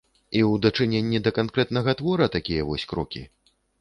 І ў дачыненні да канкрэтнага твора такія вось крокі?